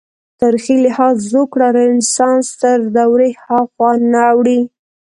تاریخي لحاظ زوکړه رنسانس تر دورې هاخوا نه اوړي.